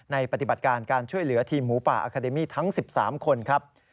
ปฏิบัติการการช่วยเหลือทีมหมูป่าอาคาเดมี่ทั้ง๑๓คนครับ